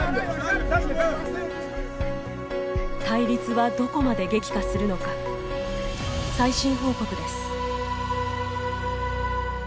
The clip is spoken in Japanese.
対立は、どこまで激化するのか最新報告です。